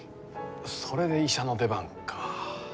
それで医者の出番か。